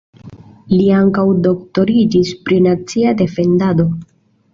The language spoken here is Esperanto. Li ankaŭ doktoriĝis pri nacia defendado.